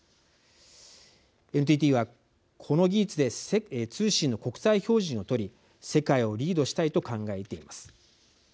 ＮＴＴはこの技術で通信の国際標準を取り世界をリードしたいと考えています。